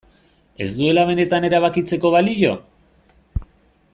Ez duela benetan erabakitzeko balio?